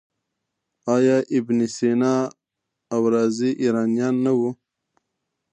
آیا ابن سینا او رازي ایرانیان نه وو؟